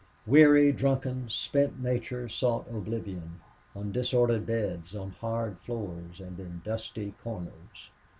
Weary, drunken, spent nature sought oblivion on disordered beds, on hard floors, and in dusty corners.